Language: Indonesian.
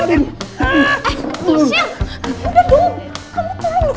udah dong kamu turun dulu